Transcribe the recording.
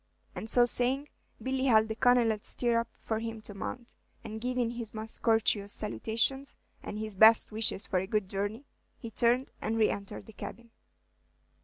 And so saying, Billy held the Colonel's stirrup for him to mount, and giving his most courteous salutation, and his best wishes for a good journey, he turned and re entered the cabin.